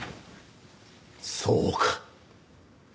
そうか。